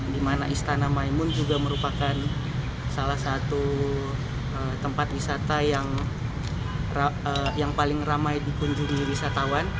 di mana istana maimun juga merupakan salah satu tempat wisata yang paling ramai dikunjungi wisatawan